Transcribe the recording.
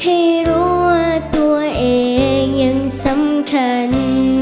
ให้รู้ว่าตัวเองยังสำคัญ